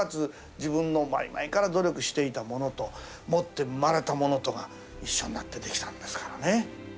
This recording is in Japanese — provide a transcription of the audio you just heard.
自分の前々から努力していたものと持って生まれたものとが一緒になってできたんですからね。